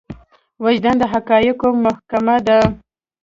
وجدان د حقايقو محکمه ده.